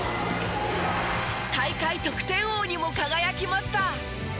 大会得点王にも輝きました。